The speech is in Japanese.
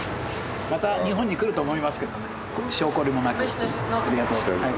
また日本に来ると思いますけどね性懲りもなくありがとうございます